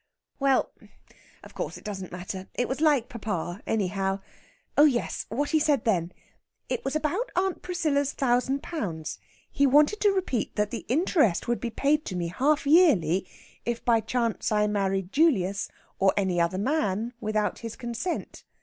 "Well of course it doesn't matter. It was like papa, anyhow.... Oh, yes what he said then! It was about Aunt Priscilla's thousand pounds. He wanted to repeat that the interest would be paid to me half yearly if by chance I married Julius or any other man without his consent.